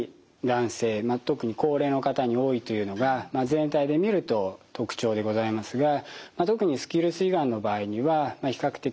特に高齢の方に多いというのが全体で見ると特徴でございますが特にスキルス胃がんの場合には比較的女性